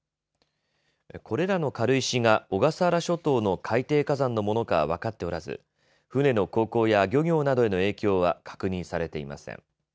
これらの軽石が小笠原諸島の海底火山のものかは分かっておらず、船の航行や漁業などへの影響は確認されていません。